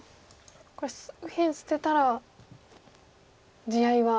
これ右辺捨てたら地合いは。